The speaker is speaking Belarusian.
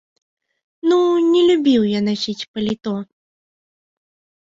Ну, не любіў я насіць паліто.